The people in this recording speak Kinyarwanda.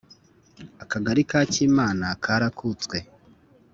- akagari ka cyimana karakutswe